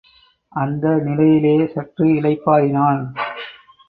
அந்த நிலையிலே சற்று இளைப்பாறினான்.